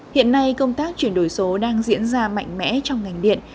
hiện nay công tác chuyển đổi số đang diễn ra mạnh mẽ